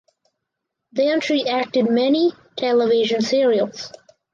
Then she acted many television serials.